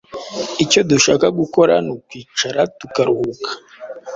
Icyo dushaka gukora nukwicara tukaruhuka.